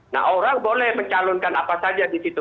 nah orang boleh mencalonkan apa saja di situ